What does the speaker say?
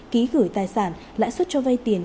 ký gửi tài sản lãi suất cho vay tiền